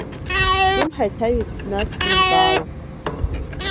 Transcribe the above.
Слымҳа иҭаҩуеит нас лымкаала.